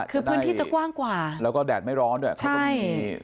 คือพื้นที่จะกว้างกว่าแล้วก็แดดไม่ร้อนด้วยเขาก็มี